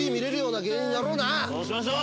そうしましょう。